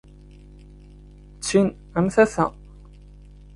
Ttin am tata.